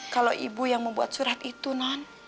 kalau ibu yang membuat surat itu nan